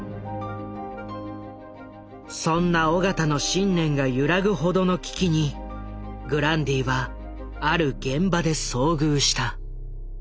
そんな緒方の信念が揺らぐほどの危機にグランディはある現場で遭遇した。